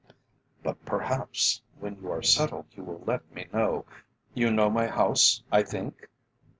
"But perhaps when you are settled you will let me know. You know my house, I think?"